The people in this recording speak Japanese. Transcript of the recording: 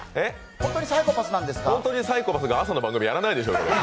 本当にサイコパスが朝の番組やらないでしょ。